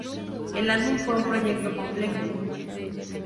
El álbum fue un proyecto complejo.